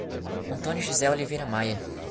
Antônio José Oliveira Maia